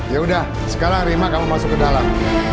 yaudah sekarang rima kamu masuk ke dalam